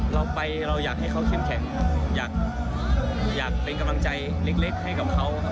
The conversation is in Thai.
เราไปเราอยากให้เขาเข้มแข็งอยากเป็นกำลังใจเล็กให้กับเขา